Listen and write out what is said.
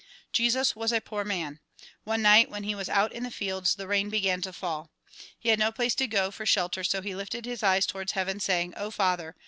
Jesus was a poor man. One night when he was out in the fields the rain began to fall. He had no place to go for shelter so he lifted his eyes toward heaven saying "0 Father!